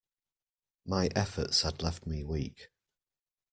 My efforts had left me weak.